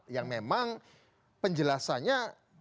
yang memang penjelasannya